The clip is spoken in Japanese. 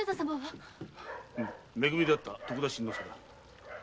め組で会った徳田新之助だ。